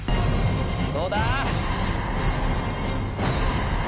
どうだ？